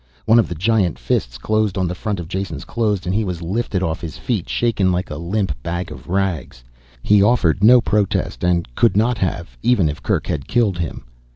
One of the giant fists closed on the front of Jason's clothes and he was lifted off his feet, shaken like a limp bag of rags. He offered no protest and could not have even if Kerk had killed him.